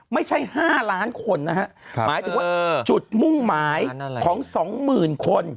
ไม่ใช่ห้าล้านคนนะฮะหมายถึงว่าจุดมุ่งหมายของสองหมื่นคน